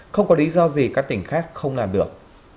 không có lý do gì các tỉnh khác không làm được